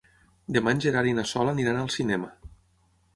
Demà en Gerard i na Sol aniran al cinema.